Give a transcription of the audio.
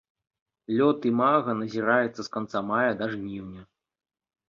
Лёт імага назіраецца з канца мая да жніўня.